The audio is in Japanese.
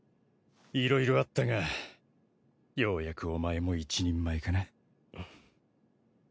いろいろあったがようやくお前も一人前かな。